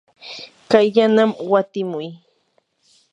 kayllaman witimuy.